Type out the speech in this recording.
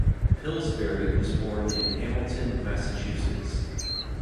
Pillsbury was born in Hamilton, Massachusetts.